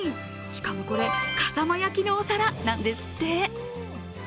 しかもこれ、笠間焼のお皿なんですって。